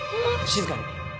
⁉静かに！